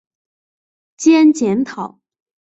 兼检讨。